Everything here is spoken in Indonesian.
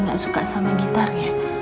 gak suka sama gitarnya